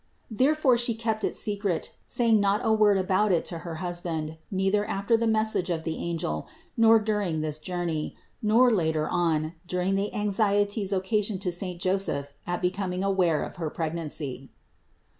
Therefore She kept it secret, saying not a word about it to her husband, neither after 166 CITY OF GOD the message of the angel, nor during this journey, nor later on, during the anxieties occasioned to saint Joseph at becoming aware of her pregnancy.